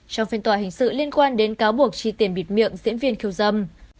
trong phiên tòa hình sự liên quan đến cáo buộc chi tiền bịt miệng diễn viên khiêu dâm